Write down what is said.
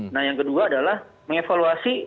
nah yang kedua adalah mengevaluasi